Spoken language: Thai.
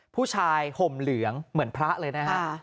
ผู้ชายห่มเหลืองเหมือนพระเลยนะฮะ